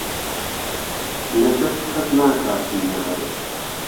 له دهست کهس ناکا فينار